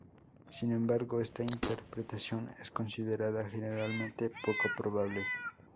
Sin embargo, esta interpretación es considerada generalmente poco probable.